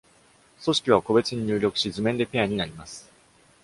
組織は個別に入力し、図面でペアになります。